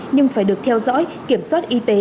nhưng phải được theo dõi kiểm soát y tế